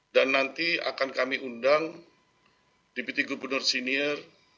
dan nanti akan kami undang diputri gubernur senior